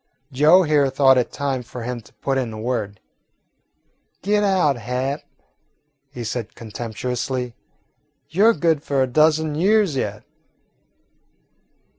Joe here thought it time for him to put in a word. "Get out, Hat," he said contemptuously; "you 're good for a dozen years yet."